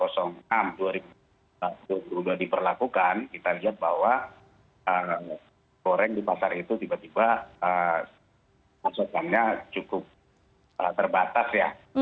setelah itu sudah diperlakukan kita lihat bahwa goreng di pasar itu tiba tiba cukup terbatas ya